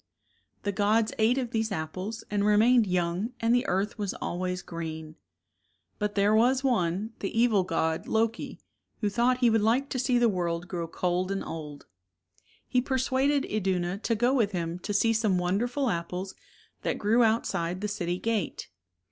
The gods ate of these apples, and remained young and the earth was always green. But there was one, the evil god, Loki, who thought he would like to see the world grow cold and old. He persuaded Iduna to go with him to see some wonderful apples that grew outside the city gate.